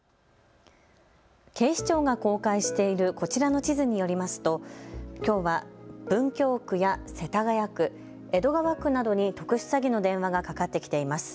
警視庁が公開しているこちらの地図によりますときょうは文京区や世田谷区、江戸川区などに特殊詐欺の電話がかかってきています。